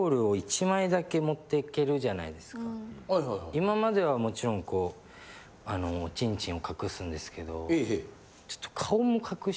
今まではもちろんこうおちんちんを隠すんですけどちょっと。